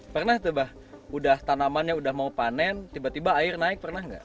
pernah tuh bah udah tanamannya udah mau panen tiba tiba air naik pernah nggak